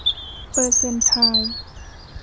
เปอร์เซ็นต์ไทล์